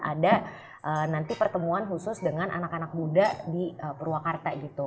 ada nanti pertemuan khusus dengan anak anak muda di purwakarta gitu